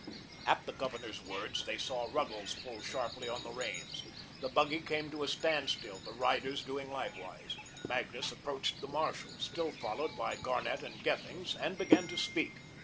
At the Governor's words, they saw Ruggles pull sharply on the reins. The buggy came to a standstill, the riders doing likewise. Magnus approached the marshal, still followed by Garnett and Gethings, and began to speak.